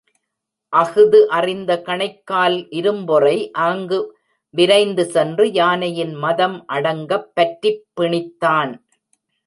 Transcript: அஃது அறிந்த கணைக்கால் இரும்பொறை, ஆங்கு விரைந்து சென்று, யானையின் மதம் அடங்கப் பற்றிப் பிணித்தான்.